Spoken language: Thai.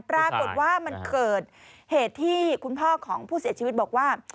ปรากฏว่ามันเกิดเหตุที่คุณพ่อของผู้เสียชีวิตบอกว่า